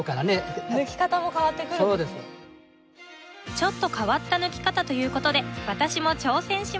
ちょっと変わった抜き方という事で私も挑戦します